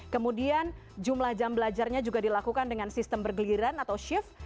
kemudian jumlah jam belajarnya juga dilakukan dengan sistem bergeliran atau shift